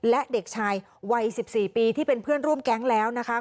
และเด็กชายวัย๑๔ปีที่เป็นเพื่อนร่วมแก๊งแล้วนะคะ